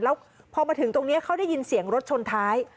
แล้วพอมาถึงตรงนี้เขาได้ยินเสียงรถชนท้าย